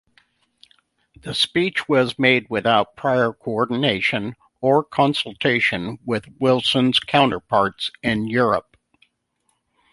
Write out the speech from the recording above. The speech was made without prior coordination or consultation with Wilson's counterparts in Europe.